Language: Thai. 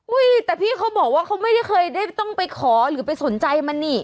แต่พี่เขาบอกว่าเขาไม่ได้เคยได้ต้องไปขอหรือไปสนใจมันนี่